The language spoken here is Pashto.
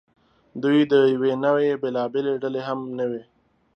دوی د یوې نوعې بېلابېلې ډلې هم نه وې.